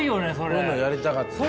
こういうのをやりたかったんやけど。